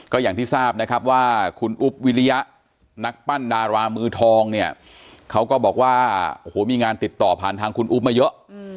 ก็อย่างที่ทราบนะครับว่าคุณอุ๊บวิริยะนักปั้นดารามือทองเนี่ยเขาก็บอกว่าโอ้โหมีงานติดต่อผ่านทางคุณอุ๊บมาเยอะ